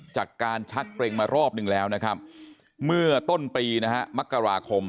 จากการชักเกร็งมารอบหนึ่งแล้วนะครับเมื่อต้นปีนะฮะมกราคม